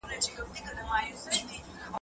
دې یې د ځان پېژندنې معیار ګرزولې وي